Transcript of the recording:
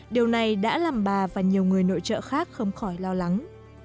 điều này đã làm bà và nhiều người nội trợ khác không khỏi lo lắng